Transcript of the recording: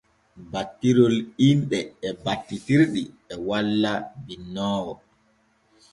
Battirol inɗe e battitirɗi e walla binnoowo.